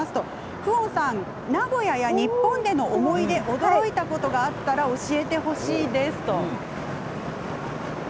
フオンさん、名古屋や日本での思い出、驚いたことがあったら教えてほしいです。